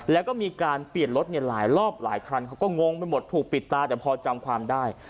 แล้วก็มีการเปลี่ยนรถเนี่ยหลายรอบหลายคันเขาก็งงไปหมดถูกปิดตาแต่พอจำความได้